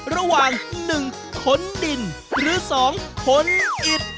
ระหว่าง๑ขนดินหรือ๒ขนอิด